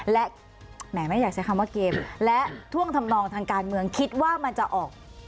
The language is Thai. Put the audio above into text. และแหมไม่อยากใช้คำว่าเกมและท่วงทำนองทางการเมืองคิดว่ามันจะออก